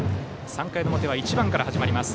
３回の表は１番から始まります。